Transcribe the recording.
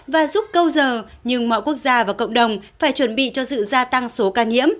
và giúp câu giờ nhưng mọi quốc gia và cộng đồng phải chuẩn bị cho sự gia tăng số ca nhiễm